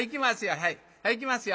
はいいきますよ。